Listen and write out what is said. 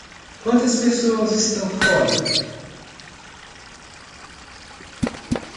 Quantas pessoas estão fora?